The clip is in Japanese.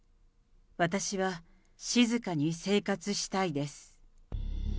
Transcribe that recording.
私は静かに生活したいです。